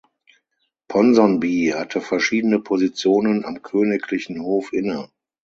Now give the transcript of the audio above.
Ponsonby hatte verschiedene Positionen am königlichen Hof inne.